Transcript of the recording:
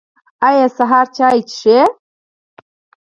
ایا سهار چای څښئ؟